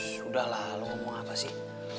sudahlah lo ngomong apa sih